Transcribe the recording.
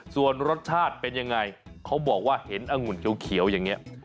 ส่วนรสชาติเป็นยังไงเขาบอกว่าเห็นองุ่นเขียวอย่างนี้